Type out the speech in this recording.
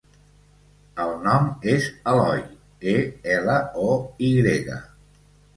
El nom és Eloy: e, ela, o, i grega.